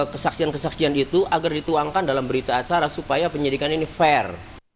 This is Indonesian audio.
kesaksian kesaksian itu agar dituangkan dalam berita acara supaya penyidikan ini fair